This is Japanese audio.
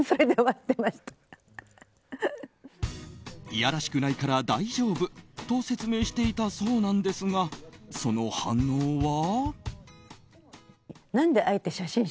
いやらしくないから大丈夫と説明していたそうなんですがその反応は？